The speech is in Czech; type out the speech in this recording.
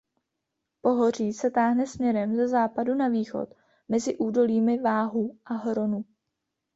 Pohoří se táhne směrem ze západu na východ mezi údolími Váhu a Hronu.